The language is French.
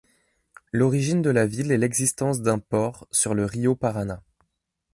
L'origine de la ville est l'existence d'un port sur le Río Paraná.